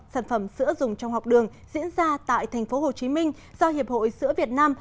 sản phẩm sữa dùng trong học đường diễn ra tại tp hcm do hiệp hội sữa việt nam